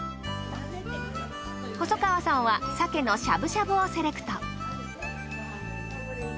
細川さんは鮭のしゃぶしゃぶをセレクト。